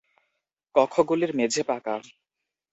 কক্ষগুলির মেঝে পাকা।